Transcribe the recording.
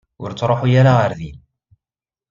Ur ttṛuḥu ara ɣer din.